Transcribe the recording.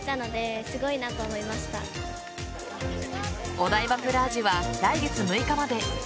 お台場プラージュは来月６日まで。